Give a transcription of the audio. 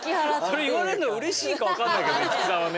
それ言われんのがうれしいか分かんないけど樹さんはね。